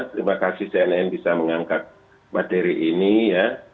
terima kasih cnn bisa mengangkat materi ini ya